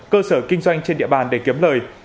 cơ sở kinh doanh trên địa bàn để kiếm lời